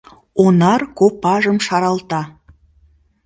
Онар копажым шаралта